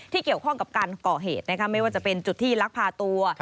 เกี่ยวข้องกับการก่อเหตุนะคะไม่ว่าจะเป็นจุดที่ลักพาตัว